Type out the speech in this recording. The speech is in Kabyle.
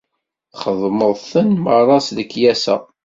Txedmeḍ-ten merra s lekyasa.